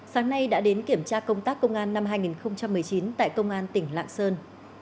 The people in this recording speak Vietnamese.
sáng nay đã đến kiểm tra công tác công an năm hai nghìn một mươi chín tại công an tỉnh lạng sơn